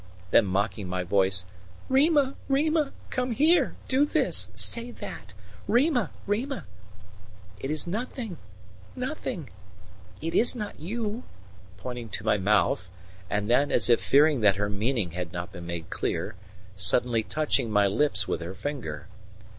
Then, mocking my voice: "Rima, Rima! Come here! Do this! Say that! Rima! Rima! It is nothing, nothing it is not you," pointing to my mouth, and then, as if fearing that her meaning had not been made clear, suddenly touching my lips with her finger.